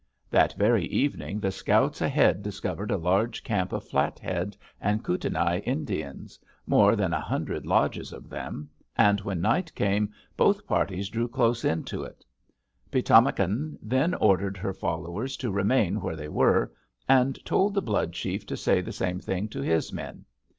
"That very evening the scouts ahead discovered a large camp of Flathead and Kootenai Indians, more than a hundred lodges of them, and when night came both parties drew close in to it. Pi´tamakan then ordered her followers to remain where they were and told the Blood chief to say the same thing to his men.